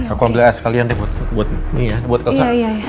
aku ambil es kalian deh buat elsa